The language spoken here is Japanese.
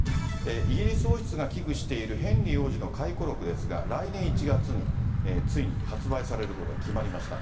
イギリス王室が危惧しているヘンリー王子の回顧録ですが、来年１月に、ついに発売されることが決まりました。